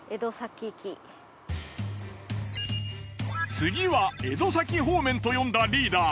次は江戸崎方面と読んだリーダー。